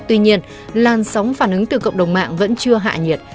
tuy nhiên làn sóng phản ứng từ cộng đồng mạng vẫn chưa hạ nhiệt